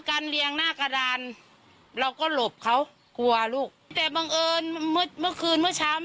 อายุ๑๐ปีนะฮะเขาบอกว่าเขาก็เห็นถูกยิงนะครับ